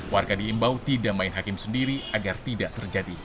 warga diimbau tidak main hakim sendiri agar tidak terjadi